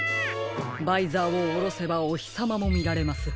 バイザーをおろせばおひさまもみられます。